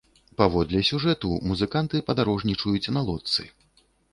Паводле сюжэту, музыканты падарожнічаюць на лодцы.